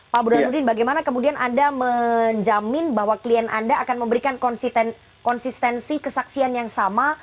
pak burhanuddin bagaimana kemudian anda menjamin bahwa klien anda akan memberikan konsistensi kesaksian yang sama